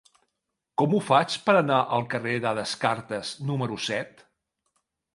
Com ho faig per anar al carrer de Descartes número set?